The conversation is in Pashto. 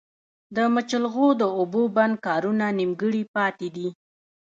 د مچلغو د اوبو بند کارونه نيمګړي پاتې دي